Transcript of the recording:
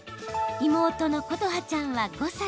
妹の琴花ちゃんは５歳。